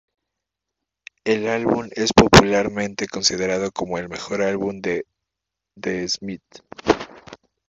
El álbum es popularmente considerado como el mejor álbum de The Smiths.